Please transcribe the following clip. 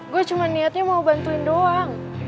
gue cuma niatnya mau bantuin doang